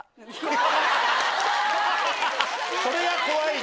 それが怖い。